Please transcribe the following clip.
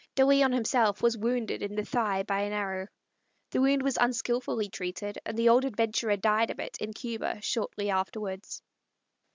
De Leon himself was wounded in the thigh by an arrow. The wound was unskillfully treated, and the old adventurer died of it in Cuba shortly afterwards.